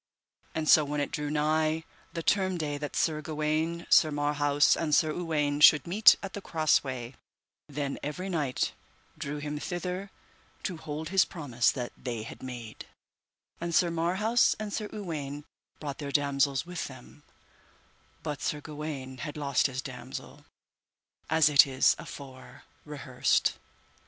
And so when it drew nigh the term day that Sir Gawaine, Sir Marhaus, and Sir Uwaine should meet at the cross way, then every knight drew him thither to hold his promise that they had made; and Sir Marhaus and Sir Uwaine brought their damosels with them, but Sir Gawaine had lost his damosel, as it is afore rehearsed.